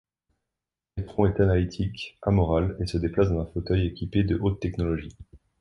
Metron est analytique, amoral et se déplace dans un fauteuil équipé de haute-technologie.